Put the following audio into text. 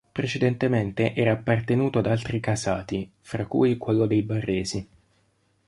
Precedentemente era appartenuto ad altri casati, fra cui quello dei Barresi.